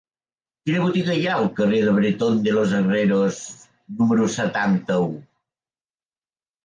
Quina botiga hi ha al carrer de Bretón de los Herreros número setanta-u?